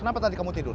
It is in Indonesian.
kenapa tadi kamu tidur